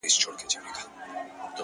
• زما دي علم په کار نه دی,